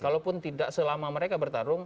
kalaupun tidak selama mereka bertarung